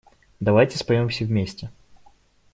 Давайте споем все вместе.